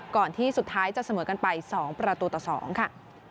ก่อนที่สุดท้ายจะเสมอกันไป๒ประตูต่อ๒ค่ะ